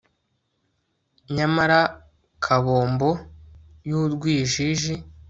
nyamara kabombo y'urwijiji